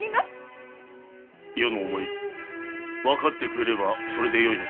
余の思い分かってくれればそれでよいのだ。